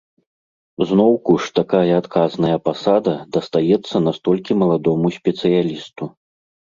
Зноўку ж такая адказная пасада дастаецца настолькі маладому спецыялісту.